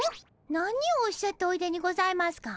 何をおっしゃっておいでにございますか？